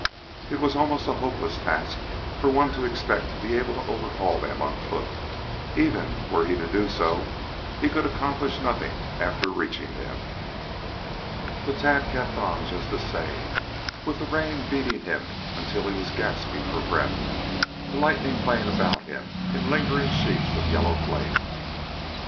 It was almost a hopeless task for one to expect to be able to overhaul them on foot, and even were he to do so he could accomplish nothing after reaching them. But Tad kept on just the same, with the rain beating him until he was gasping for breath, the lightning playing about him in lingering sheets of yellow flame.